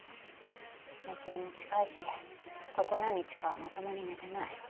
締め切りも近いしここ何日かはまともに寝てない。